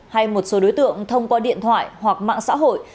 hay một số đối tượng thông qua điện thoại hoặc mạng xã hội